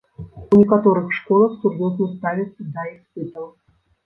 У некаторых школах сур'ёзна ставяцца да іспытаў.